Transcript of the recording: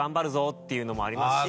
っていうのもありますし。